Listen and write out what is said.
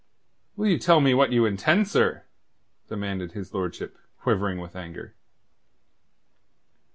"Will you tell me what you intend, sir?" demanded his lordship, quivering with anger.